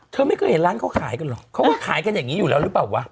เธอไม่เคยเห็นร้านเขาขายกันเหรอเขาก็ขายกันอย่างนี้อยู่แล้วหรือเปล่าวะ